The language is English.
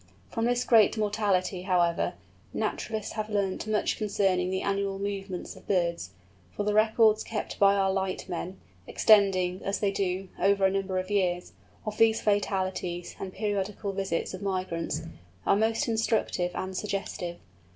From this great mortality, however, naturalists have learnt much concerning the annual movements of birds; for the records kept by our light men, extending, as they do, over a number of years, of these fatalities and periodical visits of migrants, are most instructive and suggestive.